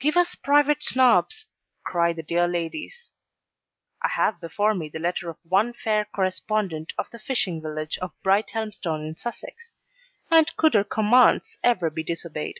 'Give us private Snobs,' cry the dear ladies. (I have before me the letter of one fair correspondent of the fishing village of Brighthelmstone in Sussex, and could her commands ever be disobeyed?)